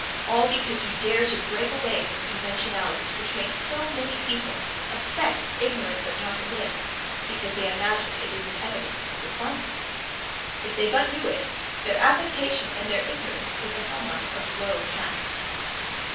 All because you dare to break away from conventionalities which make so many people affect ignorance of how to live because they imagine it is an evidence of refinement. If they but knew it, their affectation and their ignorance is the hall mark of low caste.